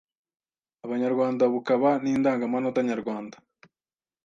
Abanyarwanda bukaba n’Indangamanota nyarwanda